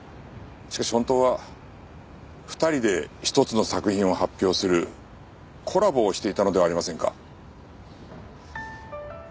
しかし本当は二人で一つの作品を発表するコラボをしていたのではありませんか？